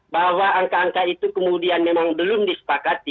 bahwa angka angka itu kemudian memang belum disepakati